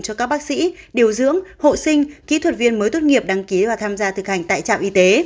cho các bác sĩ điều dưỡng hộ sinh kỹ thuật viên mới tốt nghiệp đăng ký và tham gia thực hành tại trạm y tế